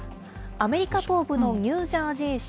アメリカ東部のニュージャージー州。